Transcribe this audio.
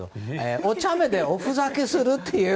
お茶目で、おふざけするという。